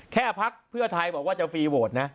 แค่ภักดิ์เพื่อไทยบอกว่าจะฟรีโวทน์นะ